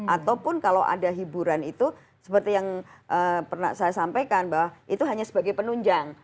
ataupun kalau ada hiburan itu seperti yang pernah saya sampaikan bahwa itu hanya sebagai penunjang